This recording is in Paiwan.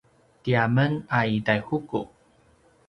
tiyamen a i Taihuku